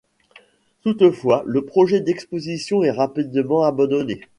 Toutefois, le projet d'exposition est rapidement abandonné.